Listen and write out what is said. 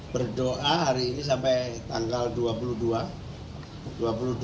berdoa hari ini sampai tanggal dua puluh dua